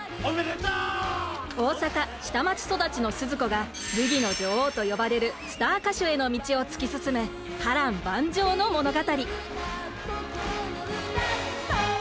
大阪、下町育ちのスズ子がブギの女王と呼ばれるスター歌手への道を突き進む波乱万丈の物語。